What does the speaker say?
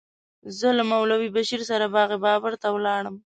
زه له مولوي بشیر سره باغ بابر ته ولاړم.